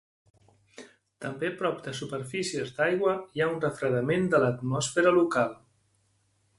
També prop de superfícies d'aigua hi ha un refredament de l'atmosfera local.